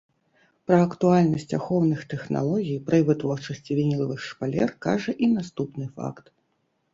Пра актуальнасць ахоўных тэхналогій пры вытворчасці вінілавых шпалер кажа і наступны факт.